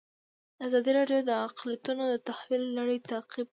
ازادي راډیو د اقلیتونه د تحول لړۍ تعقیب کړې.